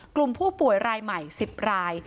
กลุ่มผู้ป่วยรายใหม่๑๐ราย